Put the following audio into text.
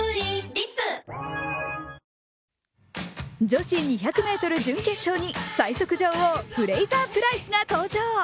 女子２００ｍ準決勝に最速女王、フレイザー・プライスが登場。